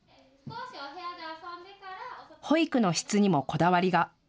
保育の質にもこだわりが。